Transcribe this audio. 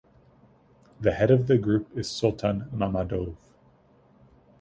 The head of the group is Soltan Mammadov.